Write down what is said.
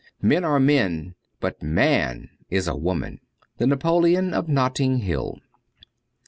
Men are men, but Man is a woman. ' The Napoleon of Notting Hill.'